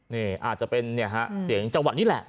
นี่อาจจะเป็นเนี่ยฮะเสียงจังหวะนี้แหละ